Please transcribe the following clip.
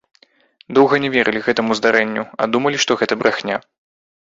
Доўга не верылі гэтаму здарэнню, а думалі, што гэта брахня.